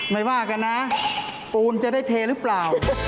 ไม่ว่ากันนะปูนจะได้เทหรือเปล่า